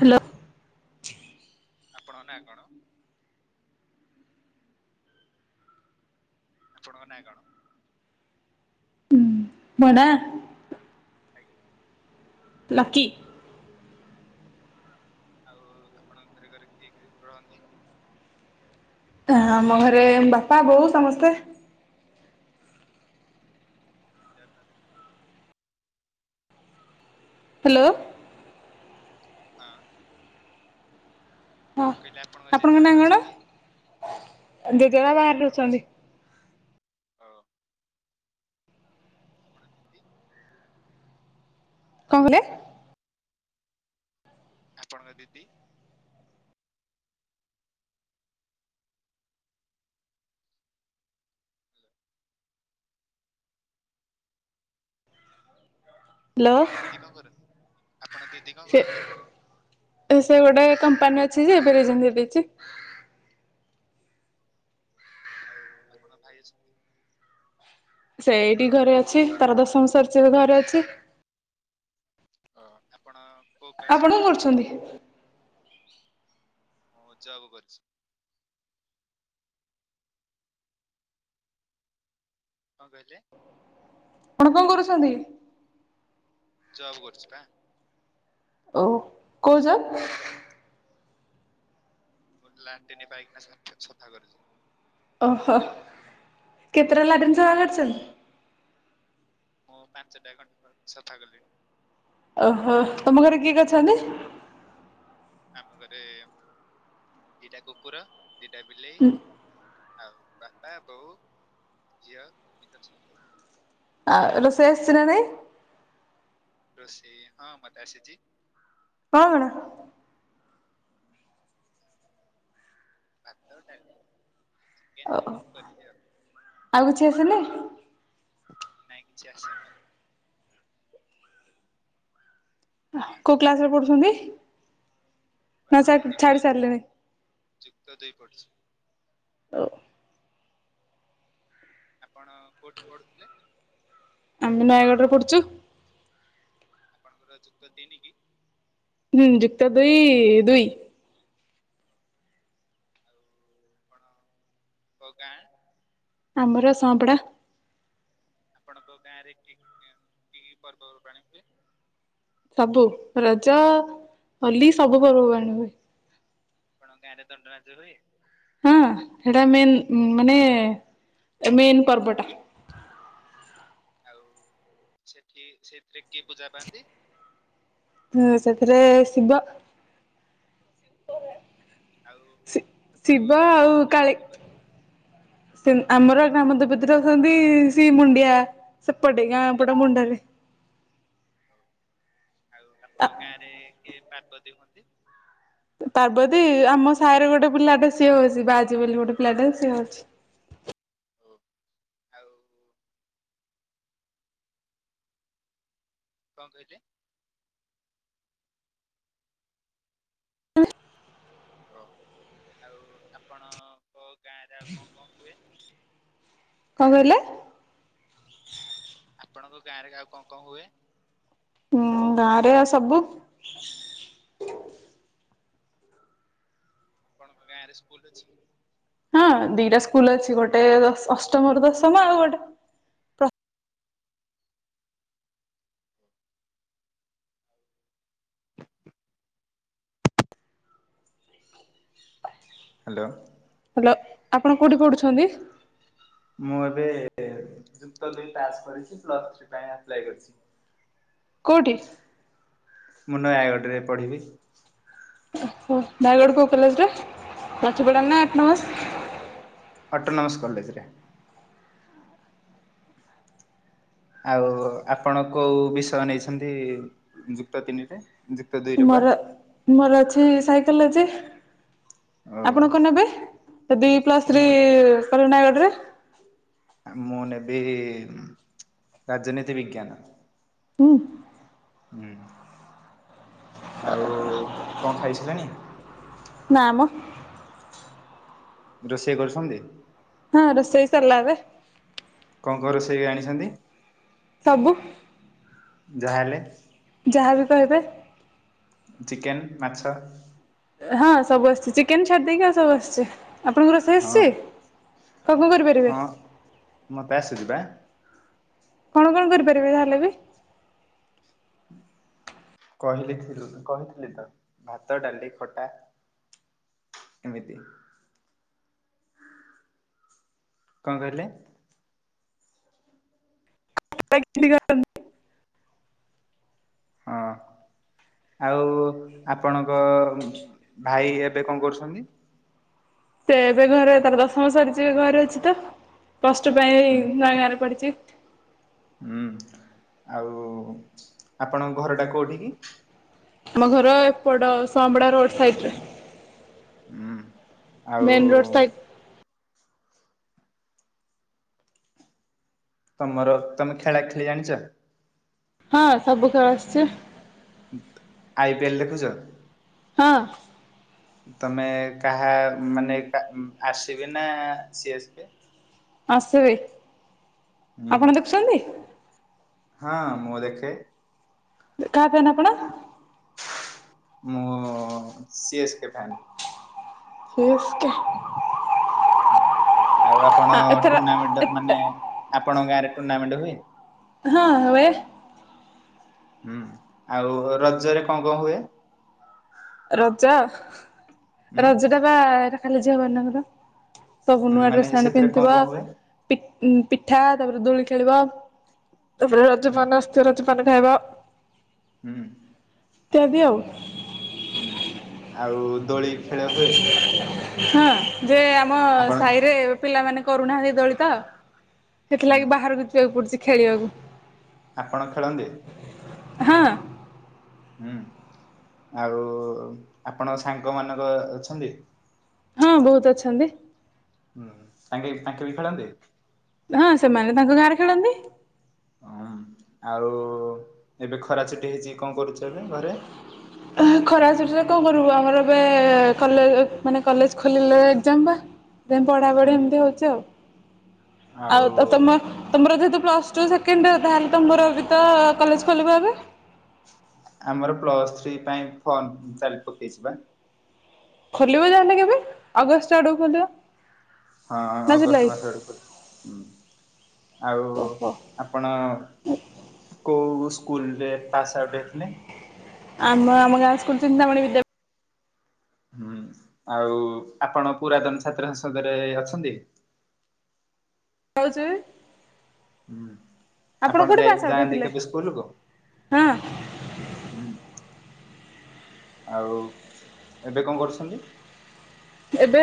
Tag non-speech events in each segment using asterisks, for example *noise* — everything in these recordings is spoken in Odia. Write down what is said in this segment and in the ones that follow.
ହାଲୋ। ଆପଣଙ୍କ ନାଁ କଣ? ଆପଣଙ୍କ ନାଁ କଣ? ହୁଁ ଭଡା *inaudible* ଲକି। ଆଉ ଆପଣଙ୍କ ଘରେ ଘରେ କିଏ *unintelligible* ରହନ୍ତି? ଆମ ଘରେ ବାପା ବୋଉ ସମସ୍ତେ। *unintelligible* ହାଲୋ। ହଁ। ହଁ ମୁଁ କହିଲି ଆପଣଙ୍କ ନାଁ ଜେଜେବାପା କଣ? ଅଛନ୍ତି ଦିଦି ଘରିକା ବାହାରେ ରହୁଚନ୍ତି। ଅଁ ଆଉ ଆପଣ ଦିଦି? କଁ କହିଲେ? ଆପଣଙ୍କ ଦିଦି ହ୍ୟାଲୋ ଆପଣ ଦିଦି କଣ କରନ୍ତି ଆପଣ ଦିଦି କଣ ସେ କରନ୍ତି ଏ ଗୋଟେ କମ୍ପାନୀ *unintelligible* ଆଉ ଆପଣଙ୍କ ଭାଇ ଅଛନ୍ତି? ସେଇଠି ଘରେ ଅଛି ତାର ଦଶମ ସରିଚି ଏବେ ଘରେ ଅଛି। ଅ ଆପଣ କୋଉ କ୍ଲାସ ଆପଣ କଣ ପଢନ୍ତି କରୁଛନ୍ତି? *inaudible* ମୁଁ ଜବ୍ କରିଛି। କଣ କହିଲେ? ଆପଣ କଣ କରୁଛନ୍ତି? ଜବ୍ କରୁଛି ପା। ଓ କୋଉ ଜବ୍? ଲାଟିନୀ ପାଇଖିନା ସଫା କରୁଛି। ଓହୋ। କେତେଟା ଲାଟିନ ସଫା କରିଛନ୍ତି? ମୁଁ ପାଞ୍ଚ ଟା ଖଣ୍ଡେ ସଫା କଲିଣି। ଓହୋ ତମ ଘରେ କିଏ କିଏ ଅଛନ୍ତି? ଆମ ଘରେ ଦିଟା କୁକୁର? ଦିଟା ବିଲେଇ। ବାପା ବୋଉ ଝିଅ ଏମିତି ଅଛନ୍ତି। ଆ ରୋଷେଇ ଆସିଛି ନା ନାଇଁ? ରୋଷେଇ ହଁ ମତେ ଆସିଛିି। କଣ? ଭାତ ଡାଲି। ଚିକେନ ଓ ଏମିତି କରିଚି ଆଉ। ଆଉ କିଛି ଆସିନି ନାଇଁ କିଛି ଆସିନି ଆଉ। କୋଉ କ୍ଲାସରେ ପଢୁଛନ୍ତି? ମୁଁ ନା ଏବେ ଛାଡି ଯୁକ୍ତ ସାରିଲେଣି? ଯୁକ୍ତ ଦୁଇ ପଢୁଛି। *inaudible* ଆପଣ କୋଉଠି ପଢୁଥିଲେ? ଆମେ ନୟାଗଡ ରେ ପଢୁଚୁ। ଆପଣଙ୍କର ଯୁକ୍ତ ତିନି କି? ହୁଁ ଯୁକ୍ତ ଦୁଇ ଦୁଇ। ଆଉ ଆପଣ ଙ୍କ ଗାଁ? ଆମର ସପଡ଼ା। ଆପଣଙ୍କ ଗାଁରେ କି କି କି ପର୍ବପର୍ବାଣିୀ ହୁଏ। ସବୁ ରଜ ହୋଲି ସବୁ ପର୍ବପର୍ବାଣୀ ହୁଏ। ଆଣଙ୍କ ଗାଁରେ ଦଣ୍ଡନାଚ ହୁଏ? ହଁ ସେଟା ମେନ୍ ମାନେ ମେନ୍ ପର୍ବଟା। ଆଉ ସେଠି ସେଥିରେ କିଏ ପୂଜା ପାଆନ୍ତି? ହୁଁ ସେଥିରେ ଶିବ ଆଉ ଆପଣଙ୍କ ଶିବ ଗାଁର ଆଉ ଗ୍ରାମ ଦେବତୀ କାଳି ଆମର ଗ୍ରାମ ଦେବୀ ଭିତରେ ଅଛନ୍ତି ସେ ମୁଡିଆ ସେପଟେ ଗାଁ ପଟ ମୁଣ୍ଡରେ। ହଉ ଆଉ ଆପଣଙ୍କ ଗାଁ ରେ କିଏ ପାର୍ବତି ହୁଅନ୍ତି। ପାର୍ବତୀ ଆମ ସାହିରେ ଗୋଟେ ପିଲାଟା ସିଏ ହଉଛି ବାଆଜି ବୋଲି ଗୋଟେ ପିଲାଟେ ସିଏ ହଉଛି। ଓ ଆଉ କଣ କହିଲେ ହ ଆଉ ଆପଣଙ୍କ ଗାଁରେ ଆଉ କଣ କଣ ହୁଏ। କଣ କହିଲେ। ଆପଣଙ୍କ ଗାଁରେ ଆଉ କଣ କଣ ହୁଏ। ହୁଁ ଗାଁରେ ଆ ସବୁ ଆପଣଙ୍କ ଗାଁ ରେ ସ୍କୁଲ ଅଛି। ହଁ ଦିଟା ସ୍କୁଲ ଅଛି ଗୋଟେ ଅଷ୍ଟମ ରୁ ଦଶମ ଆଉ ଗୋଟେ ହ୍ୟାଲୋ। ହ୍ୟାଲୋ ଆପଣ କଉଠି ପଢ଼ୁଛନ୍ତି। ମୁଁ ଏବେ ଯୁକ୍ତ ଦୁଇ ପାସ୍ କରିଛି ପ୍ଲସ୍ ଥ୍ରି ପାଇଁ ଆପ୍ଲାଏ କରିଚି। କୋଉଠି? ମୁଁ ନୟାଗଡ଼ରେ ପଢିବି। ଓହୋ ନୟାଗଡ କୋଉ କଲେଜ୍ ରେ ନଛିପୋଢ଼ା ନା ଅଟୋନମସ? ଅଟୋନମସ୍ କଲେଜେରେ। ଆଉ ଆପଣ କୋଉ ବିଷୟ ନେଇଛନ୍ତି ଯୁକ୍ତ ତିନିରେ? ଯୁକ୍ତ ଦୁଇରେ ପା ମୋର ମୋର ସାଇକେଲ ଅଛି ଓ ଆପଣ କଣ ନେବେ ତ ଦି ପ୍ଲସ ଥ୍ରୀ ମୁଁ କର ନୟାଗଡ ରେ? ମୁଁ ନେବି ରାଜନୀତି ବିଜ୍ଞାନ। *inaudible* ହୁଁ। ଆଉ କଣ ଖାଇସେଲେଣି? ନାମ ରୋଷେଇ କରୁଛନ୍ତି? ହଁ ରସେଇ ସରିଲା ଏଵେ କଣ କଣ ରୋସେଇ ଜାଣିଛନ୍ତି। ସବୁ ଯାହାହେଲେ ଯାହା ବି କହିବେ ଚିକେନ ମାଛ ହଁ ସବୁ ଆସୁଛି ଚିକେନ ଛାଡି ଦେଇକି ଆଉ ସବୁ ଆସିଛି ଆପଣଙ୍କୁ ରୋଷେଇ ଆସିଛି। ହଁ କଣ କଣ କରିପାରିବେ ହଁ ମୋତେ ଆସୁଛି ପା କଣ କଣ କରିପାରିବେ ତାହେଲେ ବି କହିଲେ କହିଥିଲି ତ ଭାତ ଡାଲି ଖଟା ଏମିତି କଣ କହିଲେ *unintelligible* ହଁ ଆଉ ଆପଣଙ୍କ ଭାଇ ଏବେ କଣ କରୁଛନ୍ତି? ସେ ଏବେ ଘରେ ତାର ଦଶମ ସରିଛି ଏ ଘରେ ଅଛି ତ ପ୍ଲସ ଟୁ ପାଇଁ ହୁଁ ନୟାଗଡ଼ରେ ପଢୁଛି। ହୁଁ ଆଉ ଆପଣଙ୍କ ଘର ଟା କୋଉଠି କି? ଆମ ଘର ଏପଟ ସମପୋଡା ରୋଡ ସାଇଡରେ। ହୁଁ ଆଉ ମେନ୍ ରୋଡ ସାଇଡ ତମର ତମେ ଖେଳା ଖେଳି ଜାଣିଛ? ହଁ ସବୁ ଖେଳ ଆସୁଛି ଆଇପିଏଲ ଦେଖୁଛ। ହଁ ତମେ କାହା ମାନେ ଆ ର ସିବି ନା ସି ଏ ସ୍କେ ଆ ର ସିବି ହୁଁ। ଆପଣ ଦେଖୁଛନ୍ତି। ହଁ ମୁଁ ଦେଖେ। କାହା ଫ୍ୟାନ ଆପଣ? ମୁଁ C S K fan. C S K ଆଉ ଆପଣ ଟୁର୍ଣ୍ଣାମେଣ୍ଟ ମାନେ ଆପଣଙ୍କ ଗାଁରେ। ଟୁର୍ଣ୍ଣମେଣ୍ଟ ହୁଏ। ହଁ ହୁଏ। ହୁଁ ଆଉ ରଜରେ କଣ କଣ ହୁଏ? ରଜ ହୁଁ। ରଜଟା ବା ଖାଲି ଝିଅମାନଙ୍କର। ସବୁ ନୂଆ ମାନେ ଡ୍ରେସ୍ ଆଣି ସେଥିରେ କଣ ପିନ୍ଧିଥିବ। କଣ ହୁଏ? ପି ଉ ପିଠା ତାପରେ ଦୋଳି ଖେଳିବ। ତା ପରେ ହୁଁ ରଜମାନାସ୍ତ ରଜ ଖଣ୍ଡେ ଖାଇବ। ହୁଁ। ଇତ୍ୟାଦି ଆଉ। ହୁଁ ଆଉ ଦୋଳି ଖେଳ ହୁଏ। ହଁ ଯେ ଆମ ଆପଣ ସାହିରେ ପିଲାମାନେ କରୁନାହାନ୍ତି ଦୋଳିତ। ହୁଁ। ସେଥିଲାଗି ବାହାରକୁ ଯିବାକୁ ପଡୁଛି। ଖେଳିବାକୁ। ଆପଣ ଖେଳନ୍ତି। ହଁ। ହୁଁ ଆଉ ଆପଣ ସାଙ୍ଗ ମାନର ଅଛନ୍ତି। ହଁ ବହୁତ ଅଛନ୍ତି। ହୁଁ ତାଙ୍କେ ତାଙ୍କେ ବି ହେଇକି ଖେଳନ୍ତି। ହଁ ସେମାନେ ତାଙ୍କ ଗାଁରେ ଖେଳନ୍ତି। ହଁ ଆଉ ଏବେ ଖରା ଛୁଟି ହେଇଛି କଣ କରୁଛ ଏବେ ଘରେ? ଖରା ଛୁଟିରେ କଣ କରିବୁ ଆମର ଏବେ କଲେ ମାନେ କଲେଜ ଖୋଲିଲେ ଏଜ୍ଜମ ପା। ତ ପଢା ପଢି ହୁଁ। ଏମିତି ହଉଚି ଆଉ। ଆଉ ତ ତମ ତମର ଜେ ପ୍ଲସ୍ ଟୁ ସେକେଣ୍ଡ ଇୟର ତାହେଲେ ତମର ବି ତ କଲେଜ ଖୋଲିବ ଏବେ? ଆମର ପ୍ଲସ୍ ଥ୍ରୀ ପାଇଁ ଫର୍ମ ଚାଲି ପକେଇଚି ପା। ଖୋଲିବ ତାହେଲେ କେବେ ଅଗଷ୍ଟ ଆଡକୁ ଖୋଲିବ? ହଁ ନା ଅଗଷ୍ଟ ଜୁଲାଇ ମାସ ଆଡକୁ ଖଲ ହୁଁ ଆଉ ଓହୋ ଆପଣ କୋଉ ସ୍କୁଲରେ ପାସ୍ ଆଉଟ୍ ହେଥିଲେ। ଆମେ ଆମ ଗାଁ ସ୍କୁଲ ଚିନ୍ତାମଣି ବିଦ୍ୟା ହୁଁ ଆଉ ଆପଣ ପୁରାତନ ଛାତ୍ର ସଂସଦରେ ଅଛନ୍ତି? ଆଉ ଜେ ହୁଁ। ଆପଣ ଯାଇ ଆଉଟ୍ ଯାଆନ୍ତି ହେଇଥିଲେ? କେବେ ସ୍କୁଲକୁୁ ହଁ ହୁଁ। ଆଉ ଏବେ କଣ କରୁସନ୍ତି। ଏବେ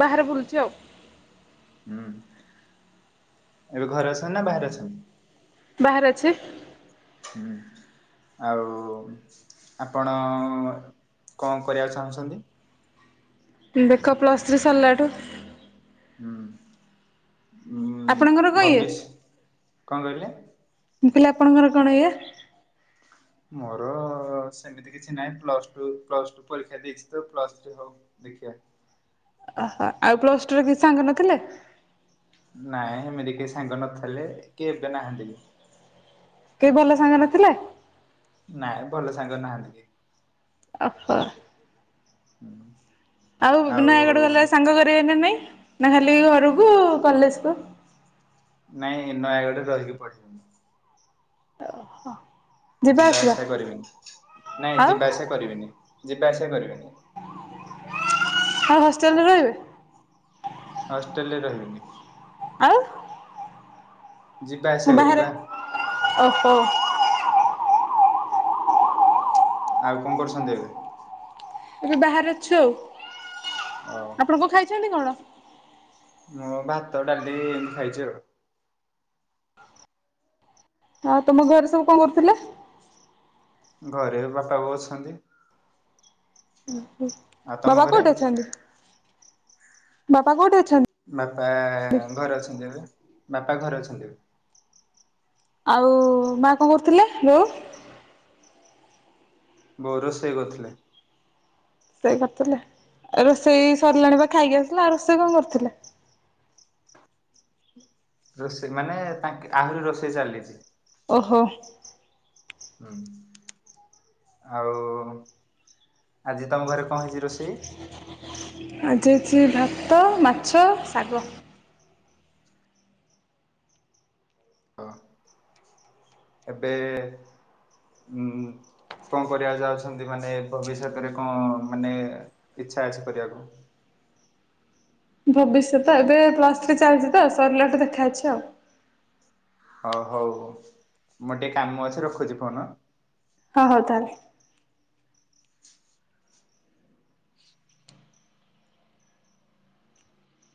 ବାହାରେ ବୁଲୁଛି ଆଉ। ହୁଁ ଏବେ ଘରେ ଅଛନ୍ତି ନା ବାହାରେ ଅଛନ୍ତି? ବାହାରେ ଅଛି। ହୁଁ ଆଉ ଆପଣ କଣ କରିବାକୁ ଚାହୁଁଛନ୍ତି? ଦେଖା ପ୍ଲସ୍ ଥ୍ରୀ ସରିଲାଣି *unintelligible* ହୁଁ। ଆପଣଙ୍କର କଉ ଇଏ? ଭବିଷ କଣ କହିଲେ? ମୁଁ କହିଲି ଆପଣଙ୍କର କଣ ଇଏ? ମୋର ସେମିତି କିଛି ନାହିଁ ପ୍ଲସ ଟୁ ପ୍ଲସ ଟୁ ପରୀକ୍ଷା ଦେଇଚି ତ ପ୍ଲସ ଥ୍ରି ହଉ ଦେଖିବା। ଓହୋ ଆଉ ପ୍ଲସ ଟୁ ରେ କେହି ସାଙ୍ଗ ନଥିଲେ? ନାଇଁ ସେମିତି କେହି ସାଙ୍ଗ ନଥିଲେ କିଏ ଏବେ ନାହାନ୍ତି। କେହି ଭଲ ସାଙ୍ଗ ନଥିଲେ? ନାଇଁ ଭଲ ସାଙ୍ଗ ନାହାନ୍ତି କେହି। ଓହୋ। ହୁଁ। ଆଉ ବୁନାୟାଗଡ ଗଲେ ସାଙ୍ଗ କରିବେ ନା ନାଇଁ? ନା ଖାଲି ଘରକୁ କଲେଜ କୁ? ନାଇଁ ନୟାଗଡ଼ ରେ ରହିକି ପଢ଼ିବି। ଓହୋ। ଯିବା ଆସିବା କରିବିନି ନାଇଁ ଆଉ ଯିବା ଆସିବା କରିବିନି। ଯିବା ଆସିବା କରିବିନି। ଆଉ ହଷ୍ଟେଲରେ ରହିବେ? ହଷ୍ଟଲେ ରହିବିନି। ଆଉ? ଯିବା ଆସିବା ବାହାରେ କରିବା ଓହୋ। ଆଉ କଣ କରୁସନ୍ତି ଏବେ? ଏବେ ବାହାରେ ଅଛୁ ଆଉ। ଓ ଆପଣ କଣ ଖାଇ ଚନ୍ତି କଣ? ମୁଁ ଭାତ ଡାଲି ଏନ୍ତି ଖାଇଛି ଆଉ। ଆଉ ତମ ଘରେ ସବୁ କଣ କରୁଥିଲେ? ଘରେ ବାପା ବୋଉ ଅଛନ୍ତି। ଓ ହ ଆଉ ତମ ବାବା ଘରେ କୋଉଠି ଅଛନ୍ତି? ବାପା କୋଉଠି ଅଛ ବାପା ଘରେ ଅଛନ୍ତି ଏବେ। ବାପା ଘରେ ଅଛନ୍ତି। ଆଉ ମା କଣ କରୁଥିଲେ ବୋଉ? ବୋଉ ରୋଷେଇ କରୁଥିଲେ। ରୋଷେଇ କରୁଥିଲେ ଆ ରୋଷେଇ ସରିଲାଣି ବା ଖାଇକି ଆସିଲ ଆଉ ରୋଷେଇ କଣ କରୁଥିଲେ? ରୋଷେଇ ମାନେ ତାଙ୍କେ ଆହୁରି ରୋଷେଇ ଚାଲିଚି। ଓହୋ। ହଁ ଆଉ ଆଜି ତମ ଘରେ କଣ ହେଇଚି ରୋଷେଇ? ଆଜି ହେଇଚି ଭାତ ମାଛ ଶାଗ। ଓ ଏବେ ହୁଁ କଣ କରିବା ଯାଉଛନ୍ତି ମାନେ ଭବିଷ୍ୟତରେ କଣ ମାନେ ଇଛା ଅଛି କରିବାକୁ? ଭବିଷ୍ୟତ ଏବେ ପ୍ଲସ ଥ୍ରୀ ଚାଲିଚି ତ ସରଲେ ଠୁ ଦେଖା ଅଛି ଆଉ। ହଉ ହଉ ମୋର ଟିକେ କାମ ଅଛି ରଖୁଛି ଫୋନ। ହଁ ହଉ ତାହାଲେ।